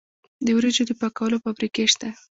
د وریجو د پاکولو فابریکې شته.